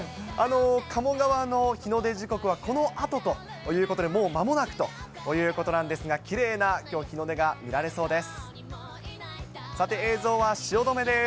鴨川の日の出時刻はこのあとということで、もう間もなくということなんですが、きれいなきょう、日の出が見られそうです。